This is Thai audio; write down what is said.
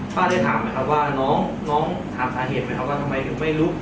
ป๊าได้ถามไหมครับว่าน้องถามฟังเหตุไหมครับว่าทำไมไม่รู้